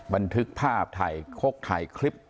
บันทึกภาพถ่ายคกถ่ายคลิป